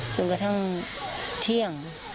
จนกระทั่งเที่ยง